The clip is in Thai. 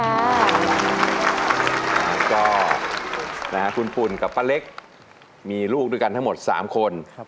แล้วก็คุณปุ่นกับป้าเล็กมีลูกด้วยกันทั้งหมด๓คน